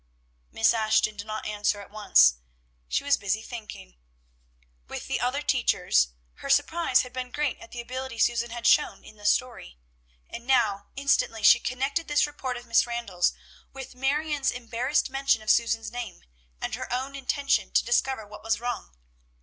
Miss Ashton did not answer at once; she was busy thinking. With the other teachers, her surprise had been great at the ability Susan had shown in the story; and now, instantly, she connected this report of Miss Randall's with Marion's embarrassed mention of Susan's name, and her own intention to discover what was wrong.